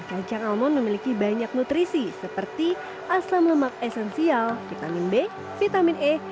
kacang almon memiliki banyak nutrisi seperti asam lemak esensial vitamin b vitamin e